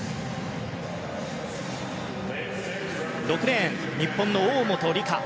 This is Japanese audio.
６レーン、日本の大本里佳。